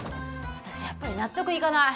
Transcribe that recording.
私やっぱり納得いかない！